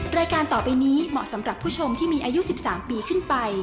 รายการต่อไปนี้เหมาะสำหรับผู้ชมที่มีอายุ๑๓ปีขึ้นไป